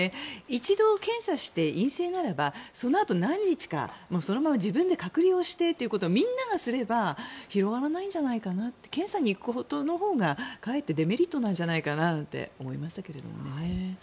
一度検査して陰性ならばそのあと何日か自分で隔離をしてということをみんながすれば広がらないんじゃないかなって検査に行くことのほうがかえってデメリットではと思いましたけどね。